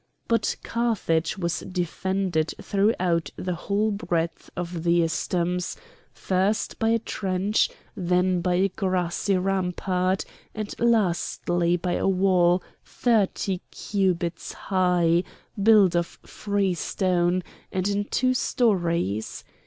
But Carthage was defended throughout the whole breadth of the isthmus: first by a trench, then by a grassy rampart, and lastly by a wall thirty cubits high, built of freestone, and in two storys.